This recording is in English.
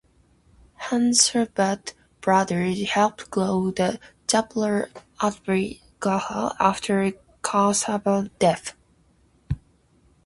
Khansahab's brother helped grow the Jaipur-Atrauli Gharana after Khansahab's death.